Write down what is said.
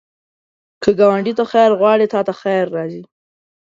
که ګاونډي ته خیر غواړې، تا ته خیر راځي